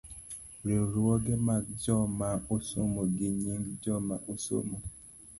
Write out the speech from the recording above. riwruoge mag joma osomo, gi nying joma osomo.